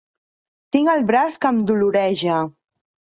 Tinc el braç que em doloreja.